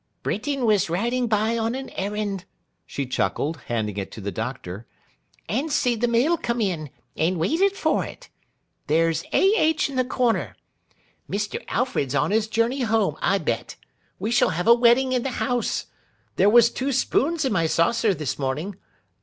'Britain was riding by on a errand,' she chuckled, handing it to the Doctor, 'and see the mail come in, and waited for it. There's A. H. in the corner. Mr. Alfred's on his journey home, I bet. We shall have a wedding in the house—there was two spoons in my saucer this morning.